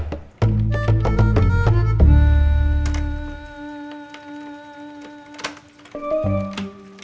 kok papi mami belum pulang ya